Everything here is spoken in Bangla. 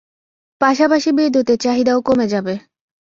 পাশাপাশি বিদ্যুতের চাহিদাও কমে যাবে।